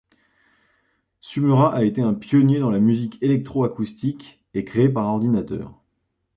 Sumera a été un pionnier dans la musique électro-acoustique et créée par ordinateur.